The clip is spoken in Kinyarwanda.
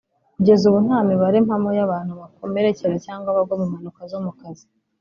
Kugeza ubu nta mibare mpamo y’abantu bakomerekera cyangwa bagwa mu mpanuka zo mu kazi